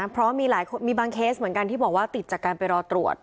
เพราะมีบางเคสเหมือนกันที่บอกว่าติดจากการไปรอตรวจ